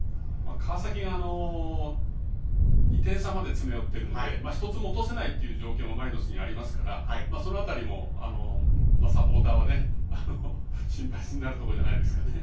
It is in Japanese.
川崎が、２点差まで詰め寄っているので１つも落とせないという状況がマリノスありますからその辺りも、サポーターは心配になるところじゃないでしょうかね。